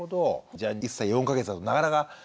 じゃあ１歳４か月だとなかなか難しいし。